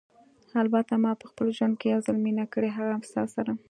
البته ما په خپل ژوند کې یو ځل مینه کړې، هغه هم ستا سره.